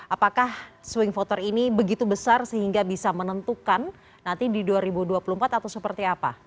apakah swing voter ini begitu besar sehingga bisa menentukan nanti di dua ribu dua puluh empat atau seperti apa